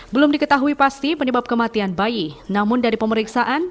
belum diketahui pasti penyebab kematian bayi namun dari pemeriksaan